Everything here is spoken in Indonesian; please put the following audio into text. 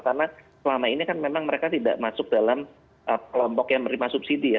karena selama ini kan memang mereka tidak masuk dalam kelompok yang berima subsidi ya